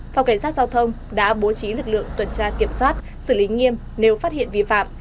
phòng cảnh sát giao thông đã bố trí lực lượng tuần tra kiểm soát xử lý nghiêm nếu phát hiện vi phạm